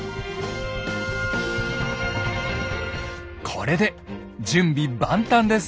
これで準備万端です。